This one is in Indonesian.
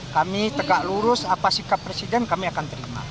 kami tegak lurus apa sikap presiden kami akan terima